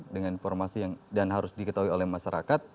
dengan informasi yang dan harus diketahui oleh masyarakat